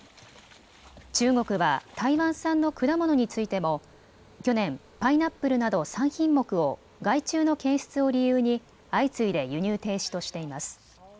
中国は台湾産の果物についても、去年、パイナップルなど３品目を害虫の検出を理由に相次いで輸入停止としています。